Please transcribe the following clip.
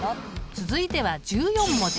続いては１４文字。